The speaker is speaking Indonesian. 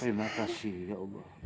terima kasih ya allah